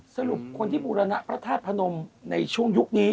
สรุปคนที่บูรณะพระธาตุพนมในช่วงยุคนี้